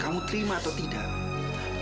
kamu terima atau tidak